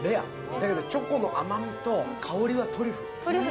だけどチョコの甘みと香りはトリュフ。